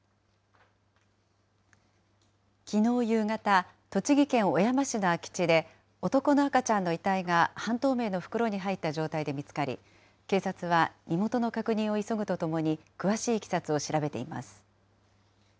きのう夕方、栃木県小山市の空き地で、男の赤ちゃんの遺体が半透明の袋に入った状態で見つかり、警察は身元の確認を急ぐとともに、詳しいいきさつを調べています。